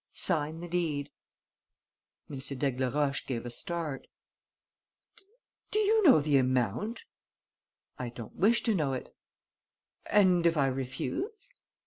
Sign the deed." M. d'Aigleroche gave a start: "Do you know the amount?" "I don't wish to know it." "And if I refuse?..."